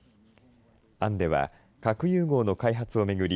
案では、核融合の開発を巡り